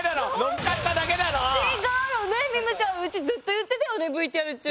ミムちゃん。うちずっと言ってたよねＶＴＲ中。